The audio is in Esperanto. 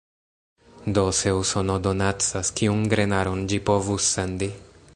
Do, se Usono donacas, kiun grenaron ĝi povus sendi?